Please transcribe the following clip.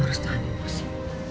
kamu harus tahan emosi